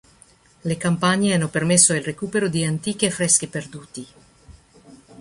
Le campagne hanno permesso il recupero di antichi affreschi perduti.